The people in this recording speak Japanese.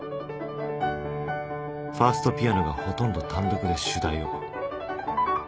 ファーストピアノがほとんど単独で主題を